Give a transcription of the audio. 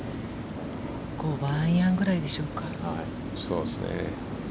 ５番アイアンぐらいでしょうか。